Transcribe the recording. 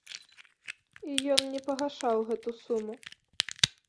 І ён не пагашаў гэту суму.